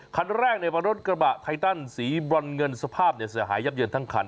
คันแรกเป็นรถกระบะไทตันสีบรอนเงินสภาพเสียหายยับเยินทั้งคัน